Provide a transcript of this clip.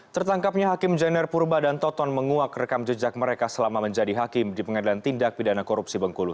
tertangkapnya hakim jener purba dan toton menguak rekam jejak mereka selama menjadi hakim di pengadilan tindak pidana korupsi bengkulu